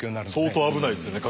相当危ないですね